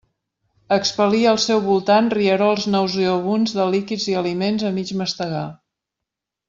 Expel·lia al seu voltant rierols nauseabunds de líquids i aliments a mig mastegar.